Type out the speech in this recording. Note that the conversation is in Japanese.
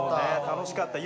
楽しかった。